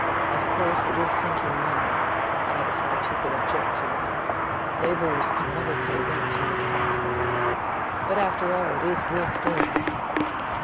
Of course, it is sinking money; that is why people object to it. Laborers can never pay rent to make it answer. But, after all, it is worth doing."